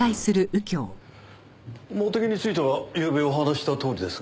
茂手木についてはゆうべお話ししたとおりですが。